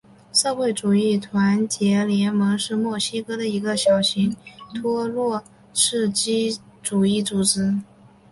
社会主义团结联盟是墨西哥的一个小型托洛茨基主义组织。